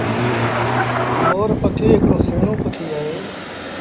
مور پکي هڪڙو سُهيٚڻون پکي اهي۔